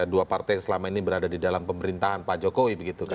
dua partai yang selama ini berada di dalam pemerintahan pak jokowi begitu kan